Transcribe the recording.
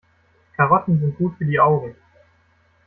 Karotten sind gut für die Augen.